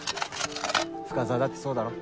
深沢だってそうだろ？